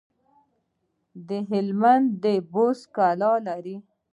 هلمند د بست کلا لري